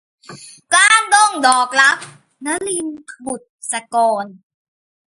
กลางดงดอกรัก - นลิน บุษกร